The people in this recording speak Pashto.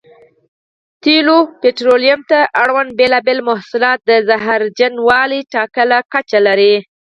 تېلو او پټرولیم ته اړوند بېلابېل محصولات د زهرجنوالي ټاکلې کچه لري.